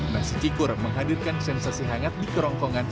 nasi cikur menghadirkan sensasi hangat di kerongkongan